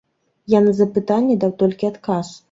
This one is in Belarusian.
Я на запытанне даў толькі адказ.